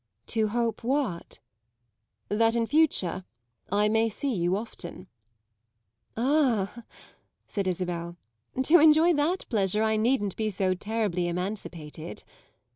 "To hope what?" "That in future I may see you often." "Ah," said Isabel, "to enjoy that pleasure I needn't be so terribly emancipated."